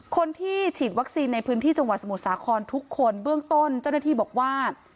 คนที่ฉีดวัคซีนในพื้นที่จังหวัดสมุทรสาครทุกคนเบื้องต้นเจ้าหน้าที่บอกว่า